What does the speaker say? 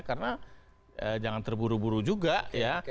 karena jangan terburu buru juga ya